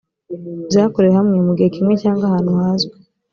byakorewe hamwe mu gihe kimwe cyangwa ahantu hazwi